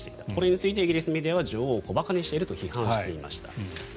これについてイギリスメディアは女王を小馬鹿にしていると批判していました。